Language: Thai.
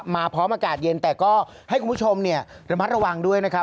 พร้อมอากาศเย็นแต่ก็ให้คุณผู้ชมระมัดระวังด้วยนะครับ